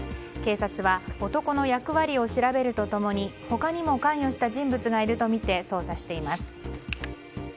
警察は男の役割を調べると共に他にも関与した人物がいるとみて捜査しています。